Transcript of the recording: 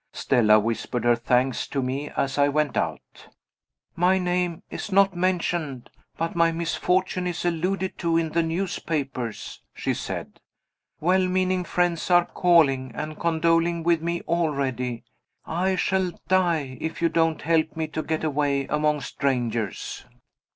Stella whispered her thanks to me as I went out. "My name is not mentioned, but my misfortune is alluded to in the newspapers," she said. "Well meaning friends are calling and condoling with me already. I shall die, if you don't help me to get away among strangers!"